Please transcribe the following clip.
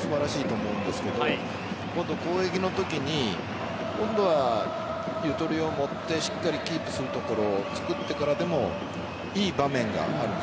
素晴らしいと思うんですが攻撃のときに今度はゆとりを持ってしっかりキープするところを作ってからでもいい場面があるんです。